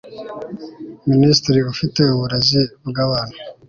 minisitiri ufite uburezi bw abantu